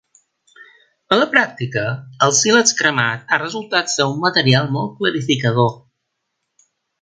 En la pràctica, el sílex cremat ha resultat ser un material molt clarificador.